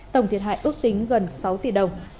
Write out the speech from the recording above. tổng thiệt hại ước tính gần sáu tỷ đồng